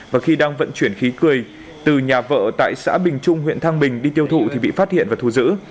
và khi đang vận chuyển khí cười từ nhà vợ tại xã bình trung huyện thang bình đi tiêu thụ thì bị phát hiện và thu giữ